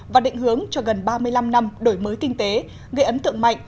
và định hướng cho gần ba mươi năm năm đổi mới kinh tế gây ấn tượng mạnh